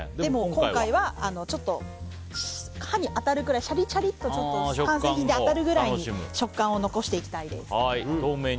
今回はちょっと歯に当たるくらいシャリシャリっと当たるぐらい食感を残していきたいです。